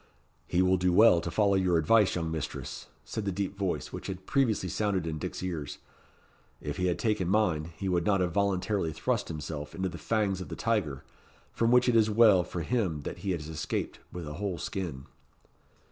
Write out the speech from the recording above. "He will do well to follow your advice, young mistress," said the deep voice which had previously sounded in Dick's ears; "if he had taken mine, he would not have voluntarily thrust himself into the fangs of the tiger, from which it is well for him that he has escaped with a whole skin."